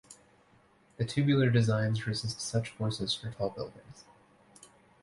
The tubular designs resist such forces for tall buildings.